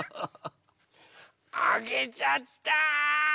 あげちゃった！